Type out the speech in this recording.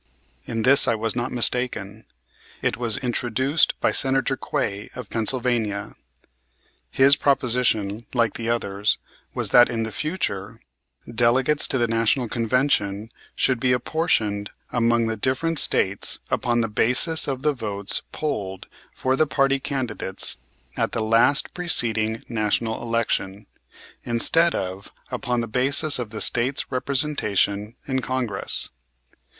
In this I was not mistaken. It was introduced by Senator Quay, of Pennsylvania. His proposition, like the others, was that in the future delegates to the National Convention should be apportioned among the different States upon the basis of the votes polled for the party candidates at the last preceding national election, instead of upon the basis of the States' representation in Congress.